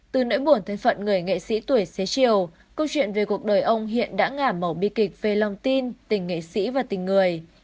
từ nỗi buồn thân phận người nghệ sĩ tuổi xế chiều câu chuyện về cuộc đời ông hiện đã ngả màu bi kịch về lòng tin tình nghệ sĩ và tình người